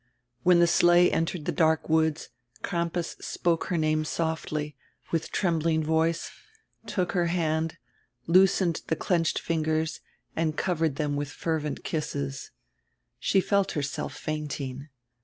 When die sleigh entered die dark woods Crampas spoke her name softly, widi trembling voice, took her hand, loosened the clenched fingers, and covered diem widi fervent kisses. She felt herself fainting.